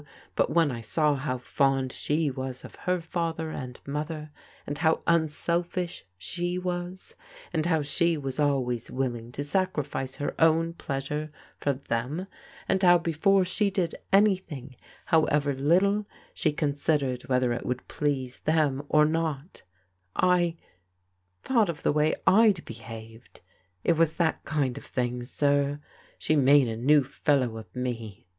But when I saw how fond she was of her father and mother, and how imselfish she was, how she was always willing to sacrifice her own pleasure for them, and how before she did snyihmg, however little, she considered whether it would please them or not — I — ^thought of the way I'd behaved. It was that kind of thing, sir. She's made a new fellow of me.